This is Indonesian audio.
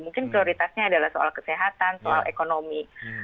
mungkin prioritasnya adalah soal kesehatan soal ekonomi